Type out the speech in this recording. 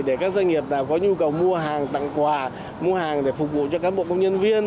để các doanh nghiệp có nhu cầu mua hàng tặng quà mua hàng để phục vụ cho cán bộ công nhân viên